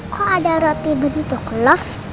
kok ada roti bentuk love